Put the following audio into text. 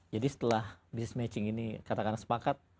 jadi setelah business matching ini katakan sepakat